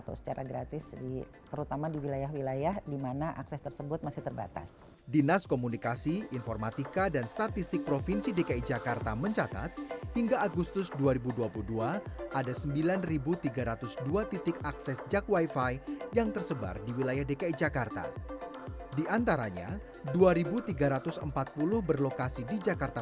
untuk menjaga kemudian melakukan dan menjaga kemampuan internet